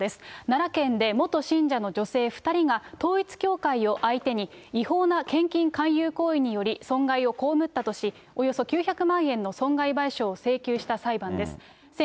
奈良県で元信者の女性２人が、統一教会を相手に、違法な献金勧誘行為により、損害を被ったとし、およそ９００万円の損害賠償を請求した裁判です。